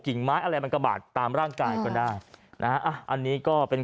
ไม้อะไรมันกระบาดตามร่างกายก็ได้นะฮะอ่ะอันนี้ก็เป็น